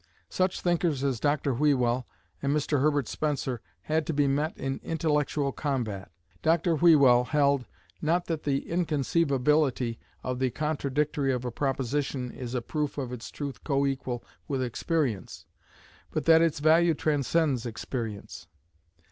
Such thinkers as Dr. Whewell and Mr. Herbert Spencer had to be met in intellectual combat. Dr. Whewell held, not that the inconceivability of the contradictory of a proposition is a proof of its truth co equal with experience, but that its value transcends experience.